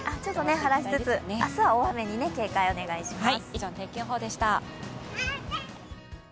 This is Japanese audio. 晴らしつつ、明日は大雨に警戒お願いします。